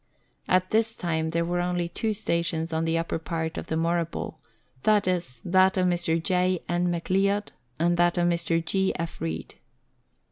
At this time there were only two stations on the upper part of the Moorabool, viz., that of Mr. J. N. McLeod, and that of Mr. G. F. Read.